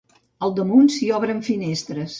Al damunt, s'hi obren finestres.